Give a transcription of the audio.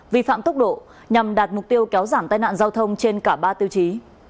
vi phạm tốc độ nhằm đạt mục tiêu kéo giảm tai nạn giao thông trên cả ba tiêu chí